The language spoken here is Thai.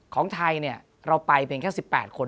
ของไทยเราไปเพียงแค่๑๘คน